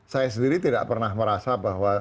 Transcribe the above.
saya sendiri tidak pernah merasa bahwa